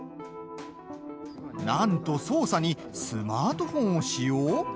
なんと、捜査にスマートフォンを使用？